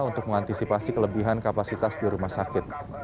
untuk mengantisipasi kelebihan kapasitas di rumah sakit